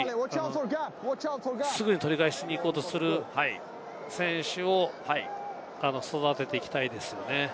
すぐに取り返しに行こうとする選手を育てていきたいですね。